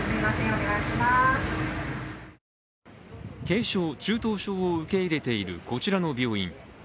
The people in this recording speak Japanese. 軽症、中等症を受け入れているこちらの病院。